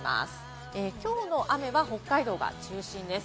きょうの雨は北海道が中心です。